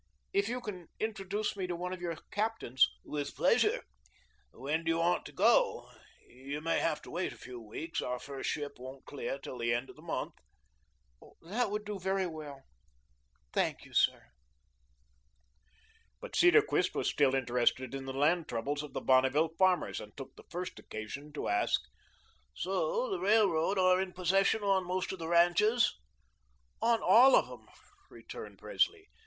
If you can introduce me to one of your captains " "With pleasure. When do you want to go? You may have to wait a few weeks. Our first ship won't clear till the end of the month." "That would do very well. Thank you, sir." But Cedarquist was still interested in the land troubles of the Bonneville farmers, and took the first occasion to ask: "So, the Railroad are in possession on most of the ranches?" "On all of them," returned Presley.